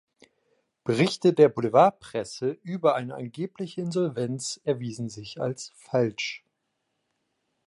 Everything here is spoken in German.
Berichte der Boulevardpresse über eine angebliche Insolvenz erwiesen sich als falsch.